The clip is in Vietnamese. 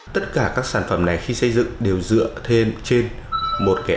tất cả các sản phẩm này khi xây dựng đều dựa thêm trên một cái